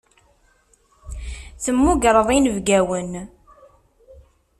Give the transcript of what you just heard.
Temmugreḍ inebgawen.